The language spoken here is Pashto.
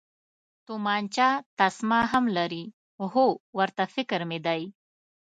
تومانچه تسمه هم لري، هو، ورته فکر مې دی.